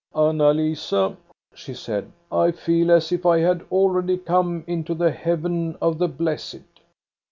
" Anna Lisa/' she said, " I feel as if I had already come into the heaven of the blessed.''